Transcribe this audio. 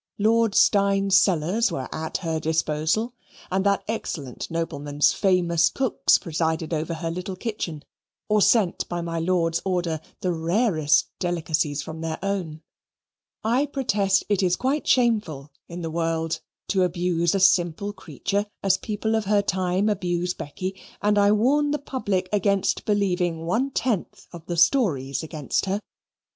Lord Steyne's cellars were at her disposal, and that excellent nobleman's famous cooks presided over her little kitchen, or sent by my lord's order the rarest delicacies from their own. I protest it is quite shameful in the world to abuse a simple creature, as people of her time abuse Becky, and I warn the public against believing one tenth of the stories against her.